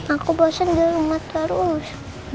aku bosen di rumah terus